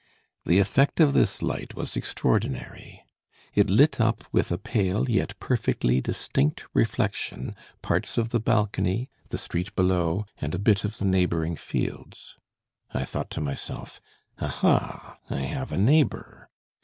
The effect of this light was extraordinary. It lit up with a pale, yet perfectly distinct, reflection, parts of the balcony, the street below, and a bit of the neighboring fields. "I thought to myself, 'Aha! I have a neighbor."